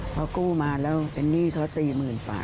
เขากู้มาแล้วเป็นหนี้เขา๔๐๐๐บาท